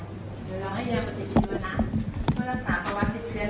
โดยเราให้ยาวปฏิชีวรณะ